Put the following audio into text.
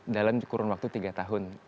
dalam kurun waktu tiga tahun